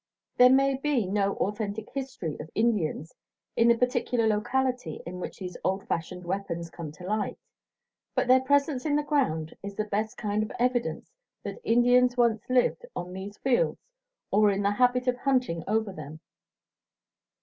There may be no authentic history of Indians in the particular locality in which these old fashioned weapons come to light, but their presence in the ground is the best kind of evidence that Indians once lived on these fields or were in the habit of hunting over them.